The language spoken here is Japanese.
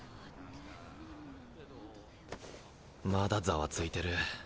まだざわついてる。